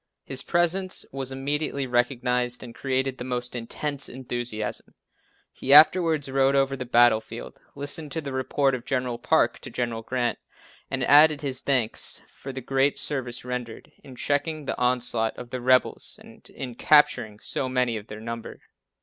His presence was immediately recognized and created the most intense enthusiasm. He afterwards rode over the battlefield, listened to the report of General Parke to General Grant, and added his thanks for the great service rendered in checking the onslaught of the rebels and in capturing so many of their number.